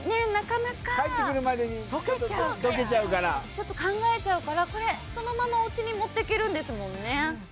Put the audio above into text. ちょっと考えちゃうからこれそのままお家に持ってけるんですもんね。